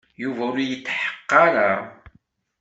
Yuba ur yetḥeqq ara.